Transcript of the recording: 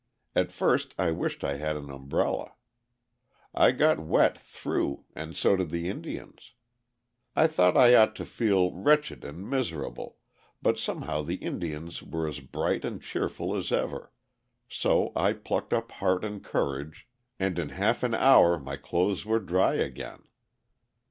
At first I wished I had an umbrella. I got wet through, and so did the Indians. I thought I ought to feel wretched and miserable, but somehow the Indians were as bright and cheerful as ever, so I plucked up heart and courage, and in half an hour my clothes were dry again.